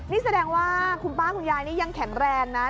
นี่แสดงว่าคุณป้าคุณยายนี่ยังแข็งแรงนะ